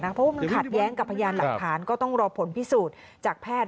เพราะว่ามันขัดแย้งกับพยานหลักฐานก็ต้องรอผลพิสูจน์จากแพทย์